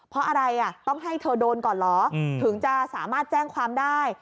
เพราะอะไรต้องให้เธอโดนก่อนเหรอถึงจะสามารถแจ้งความได้